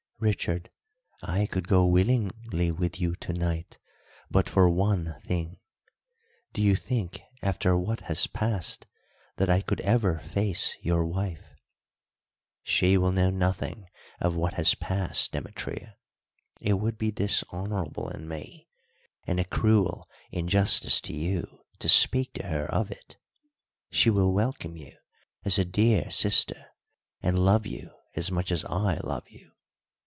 "Richard, I could go willingly with you to night but for one thing. Do you think after what has passed that I could ever face your wife?" "She will know nothing of what has passed, Demetria. It would be dishonourable in me and a cruel injustice to you to speak to her of it. She will welcome you as a dear sister and love you as much as I love you.